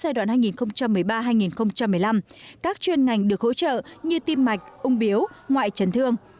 giai đoạn hai nghìn một mươi ba hai nghìn một mươi năm các chuyên ngành được hỗ trợ như tim mạch ung biếu ngoại chấn thương